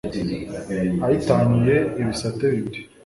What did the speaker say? ayitanyuramo ibisate bibiri